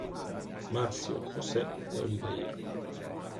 Márcio José de Oliveira